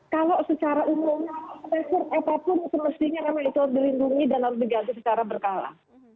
kalau secara umumnya password apapun semestinya karena itu harus dilindungi dan harus diganti secara berkala